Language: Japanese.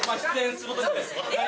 すごい！